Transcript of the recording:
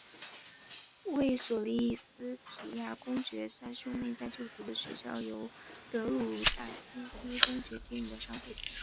为索利斯提亚公爵家三兄妹就读的学校由德鲁萨西斯公爵经营的商会。